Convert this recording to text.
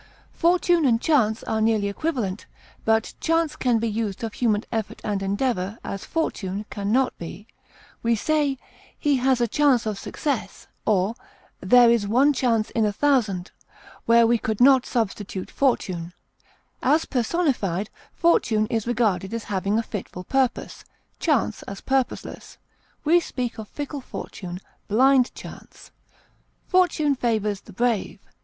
Fortune and chance are nearly equivalent, but chance can be used of human effort and endeavor as fortune can not be; we say "he has a chance of success," or "there is one chance in a thousand," where we could not substitute fortune; as personified, Fortune is regarded as having a fitful purpose, Chance as purposeless; we speak of fickle Fortune, blind Chance; "Fortune favors the brave."